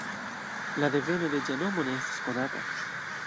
La deveno de ĝia nomo ne estas konata.